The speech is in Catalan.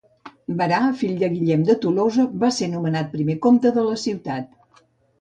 Berà, fill de Guillem de Tolosa, va ésser nomenat primer comte de la ciutat.